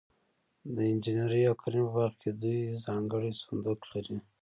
د انجنیري او کرنې په برخه کې دوی ځانګړی صندوق لري.